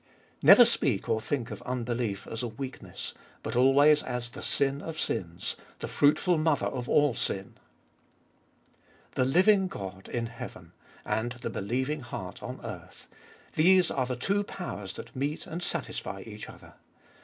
3. Never speak or think of unbelief as a weakness, but always as the sin of sins, the fruitful mother of all sin. 4. The living God in heaven, and the believing heart on earth : these are the two powers that meet and satisfy each other.